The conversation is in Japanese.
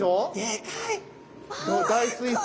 巨大水槽。